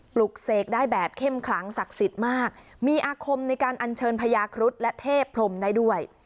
ปลุกเสกได้แบบเข้มขลังศักดิ์สิทธิ์มากมีอาคมในการอัญเชิญพญาครุฑและเทพพรมได้ด้วย